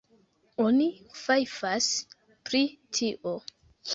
Oni fajfas pri tio.